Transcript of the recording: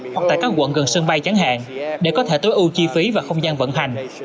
hoặc tại các quận gần sân bay chẳng hạn để có thể tối ưu chi phí và không gian vận hành